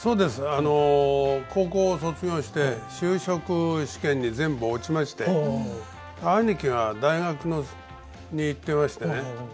あの高校を卒業して就職試験に全部落ちまして兄貴が大学に行ってましてね